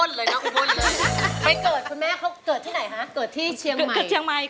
โต๊ะที่เชียงใหม่